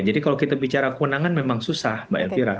kalau kita bicara kewenangan memang susah mbak elvira